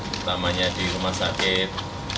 terutamanya di rumah sakit